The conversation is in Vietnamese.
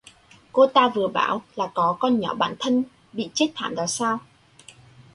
Cô vừa bảo là có con nhỏ bạn thân bị chết thảm đó sao